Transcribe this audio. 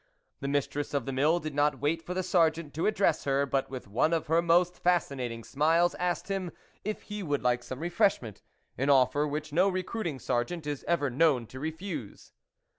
The mistress of the Mill did not wait for the Sergeant to address her, but with one of her most fas cinating smiles, asked him if he would like some refreshment, an offer which no recruiting sergeant is ever known to re fuse.